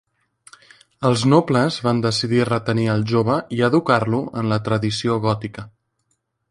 Els nobles van decidir retenir el jove i educar-lo en la tradició gòtica.